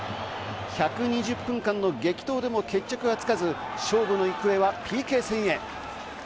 １２０分間の激闘でも決着はつかず、勝負の行方はＰＫ戦へ。